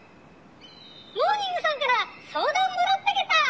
「モーニングさんから相談もらったゲタ！」。